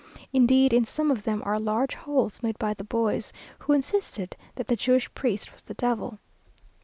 Indeed, in some of them are large holes made by the boys, who insisted that the Jewish priest was _the devil.